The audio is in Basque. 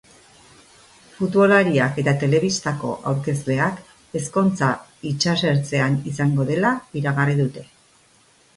Futbolariak eta telebistako aurkezleak ezkontza itsasertzean izango dela iragarri dute.